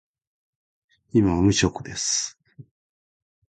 今無職です